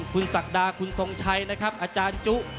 คุณสักดาคุณสงชัยอาจารย์จุ